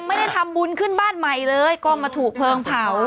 ไม่ได้ทำบุญขึ้นบ้านใหม่เลยก็มาถูกเพลิงเผา